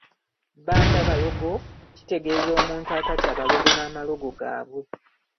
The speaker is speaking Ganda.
Bbandabalogo kitegeeza omuntu atatya balogo n’amalogo gaabwe.